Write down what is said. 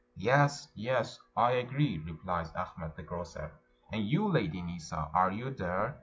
"Yes, yes, I agree," replies Achmet the grocer. "And you, Lady Nissa, are you there?"